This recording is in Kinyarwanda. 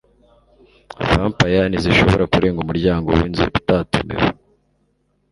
vampires ntishobora kurenga umuryango winzu utatumiwe